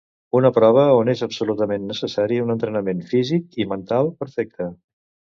Una prova on és absolutament necessari un entrenament físic i mental perfecte.